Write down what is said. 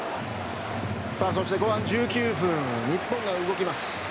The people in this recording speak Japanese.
そして後半１９分に日本が動きます。